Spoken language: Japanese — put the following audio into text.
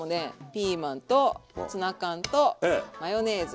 ピーマンとツナ缶とマヨネーズ